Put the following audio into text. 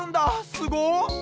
すごっ。